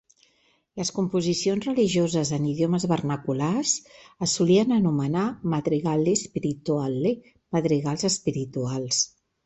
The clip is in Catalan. Les composicions religioses en idiomes vernaculars es solien anomenar "madrigali spirituali", "madrigals espirituals".